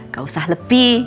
gak usah lebih